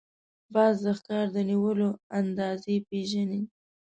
باز د ښکار د نیولو اندازې پېژني